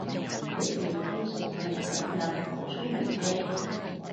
表示輕鬆瞓足兩日，補充元氣